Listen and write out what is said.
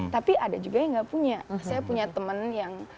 tapi ada juga yang nggak punya saya punya teman yang